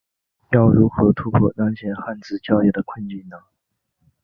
要如何突破当前汉字教育的困境呢？